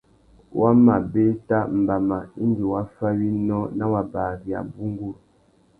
Wa mà bēta mbama indi wa fá winô nà wabari abú nguru.